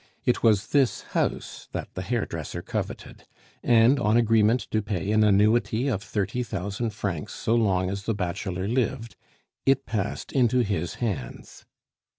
It was this house that the hairdresser coveted; and on agreement to pay an annuity of thirty thousand francs so long as the bachelor lived, it passed into his hands.